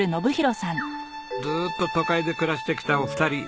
ずーっと都会で暮らしてきたお二人。